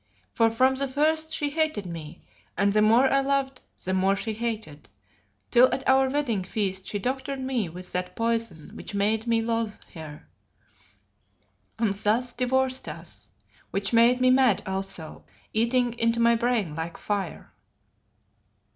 For from the first she hated me, and the more I loved, the more she hated, till at our wedding feast she doctored me with that poison which made me loathe her, and thus divorced us; which made me mad also, eating into my brain like fire."